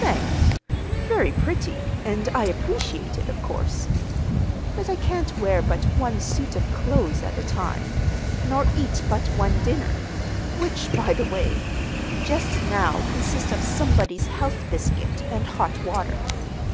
"Thanks. Very pretty, and I appreciate it, of course. But I can't wear but one suit of clothes at a time, nor eat but one dinner—which, by the way, just now consists of somebody's health biscuit and hot water.